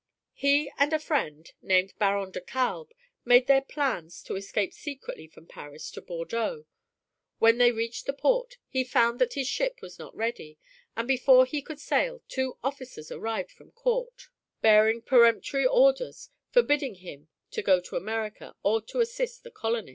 He and a friend, named Baron de Kalb, made their plans to escape secretly from Paris to Bordeaux. When he reached the port he found that his ship was not ready, and before he could sail two officers arrived from court, bearing peremptory orders forbidding him to go to America or to assist the colonists.